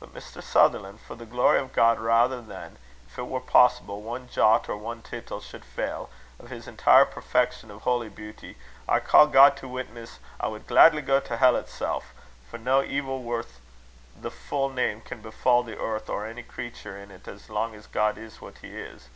But, Mr. Sutherlan', for the glory o' God, raither than, if it were possible, one jot or one tittle should fail of his entire perfection of holy beauty, I call God to witness, I would gladly go to hell itsel'; for no evil worth the full name can befall the earth or ony creater in't, as long as God is what he is.